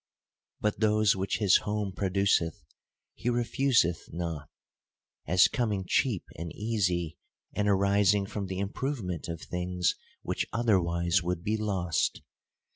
But those which his home produ ceih, he refu. reth not ; as coming cheap and easy, and arising from the improvement of things which otherwise would be lost.